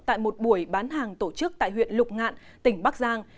tại một buổi bán hàng tổ chức tại huyện lục ngạn tỉnh bắc giang